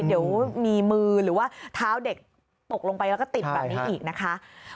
เดี๋ยวมีมือหรือว่าเท้าเด็กตกลงไปแล้วก็ติดแบบนี้อีกนะคะ